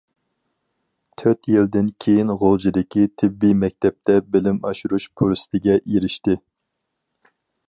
تۆت يىلدىن كېيىن غۇلجىدىكى تېببىي مەكتەپتە بىلىم ئاشۇرۇش پۇرسىتىگە ئېرىشتى.